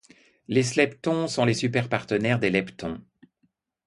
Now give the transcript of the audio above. Les sleptons sont les superpartenaires des leptons.